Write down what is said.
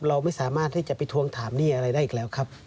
เราไม่สามารถที่จะไปทวงถามหนี้อะไรได้อีกแล้วครับ